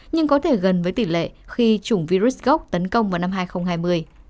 nhưng có thể gần với tỷ lệ khi chủng virus tấn công vào năm hai nghìn hai mươi